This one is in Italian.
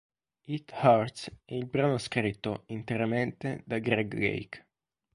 It Hurts è il brano scritto, interamente, da Greg Lake.